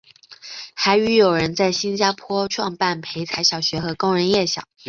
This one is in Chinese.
还与友人在新加坡创办培才小学和工人夜校。